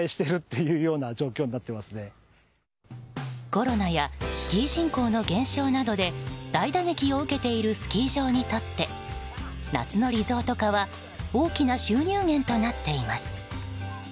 コロナやスキー人口の減少などで大打撃を受けているスキー場にとって夏のリゾートかは大きな収入源となっています。